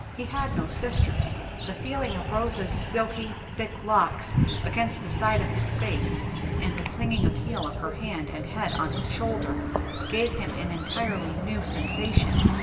He had no sisters; the feeling of Rotha's silky, thick locks against the side of his face and the clinging appeal of her hand and head on his shoulder, gave him an entirely new sensation.